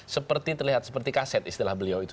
seperti terlihat seperti kaset istilah beliau itu